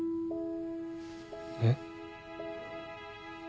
えっ？